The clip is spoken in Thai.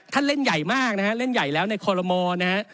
ท่านเล่นใหญ่มากนะฮะเล่นใหญ่แล้วในคอลโลมอร์นะฮะ